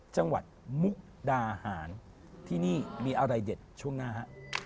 จังหวัดมุกดาหารที่นี่มีอะไรเด็ดช่วงหน้าฮะ